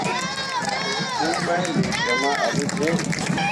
Huu main lee syem ah pǝjẽe.